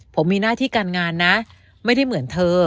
ผมมีหน้าที่การงานนะไม่ได้เหมือนเธอ